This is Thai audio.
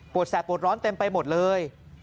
แสบปวดร้อนเต็มไปหมดเลย